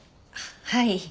はい。